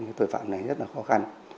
cái thời phạm này rất là khó khăn